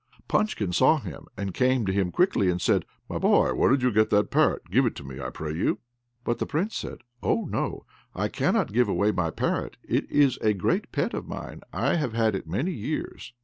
Punchkin saw him, and came to him quickly, and said, "My boy, where did you get that parrot? Give it to me, I pray you." But the Prince answered, "Oh no, I cannot give away my parrot, it is a great pet of mine; I have had it many years."